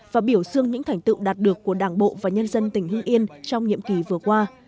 và biểu dương những thành tựu đạt được của đảng bộ và nhân dân tỉnh hưng yên trong nhiệm kỳ vừa qua